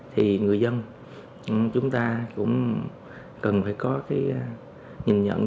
thì người dân chúng ta cũng cần phải có cái nhìn nhận